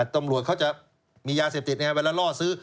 ตำรวจเขาจะมียาเสพติดไงเวลาล่อซื้อ